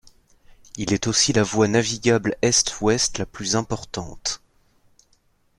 Il est aussi la voie navigable Est-Ouest la plus importante.